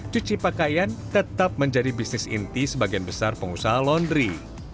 cuci pakaian tetap menjadi bisnis inti sebagian besar pengusaha laundry